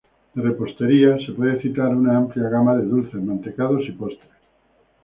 De repostería, se puede citar una amplia gama de dulces, mantecados y postres.